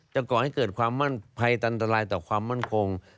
ก่อให้เกิดความมั่นภัยอันตรายต่อความมั่นคง